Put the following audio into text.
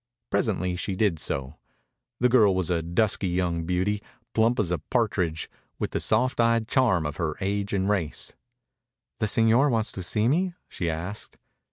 Presently she did so. The girl was a dusky young beauty, plump as a partridge, with the soft eyed charm of her age and race. "The señor wants to see me?" she asked.